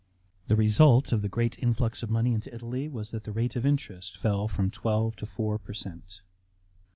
The result of the great influx of money into Italy was that the rate of interest fell from 12 to 4 per cent.